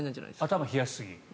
頭、冷やしすぎ。